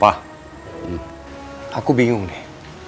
pa aku bingung deh